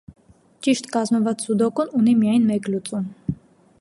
Ճիշտ կազմված սուդոկուն ունի միայն մեկ լուծում։